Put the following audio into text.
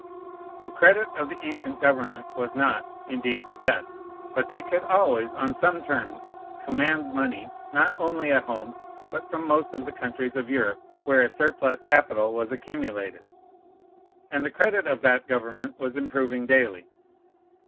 The credit of the ancient government was not, indeed, the best; but they could always, on some terms, command money, not only at home, but from most of the countries of Europe where a surplus capital was accumulated; and the credit of that government was improving daily.